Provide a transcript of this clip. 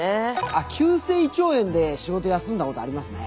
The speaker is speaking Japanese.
あっ急性胃腸炎で仕事休んだことありますね。